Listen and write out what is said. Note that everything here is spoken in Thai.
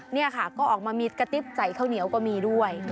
นี่ค่ะก็ออกมามีกระติ๊บใส่ข้าวเหนียวก็มีด้วย